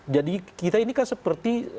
jadi kita ini kan seperti